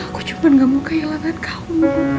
aku cuman gak mau kehilangan kamu